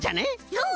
そう！